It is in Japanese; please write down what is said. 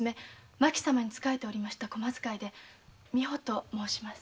・麻紀様に仕えておりました小間使いの美保と申します。